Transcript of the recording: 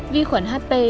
vi khuẩn hp